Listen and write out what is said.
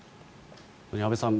安部さん